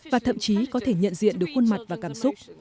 và thậm chí có thể nhận diện được khuôn mặt và cảm xúc